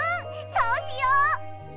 そうしよう！